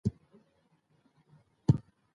سلیمان غر د ژوند په کیفیت تاثیر کوي.